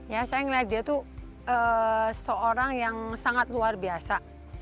ya saya melihat dia tuh seorang yang sangat luar biasa